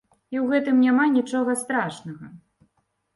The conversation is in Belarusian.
І ў гэтым няма нічога страшнага.